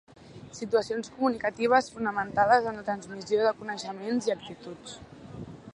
Situacions comunicatives fonamentades en la transmissió de coneixements i actituds.